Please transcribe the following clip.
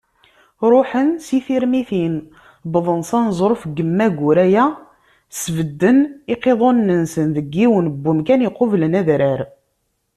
Ṛuḥen si Tirmitin, wwḍen s aneẓruf n Yemma Guraya, sbedden iqiḍunen-nsen deg yiwen n umkan iqublen adrar.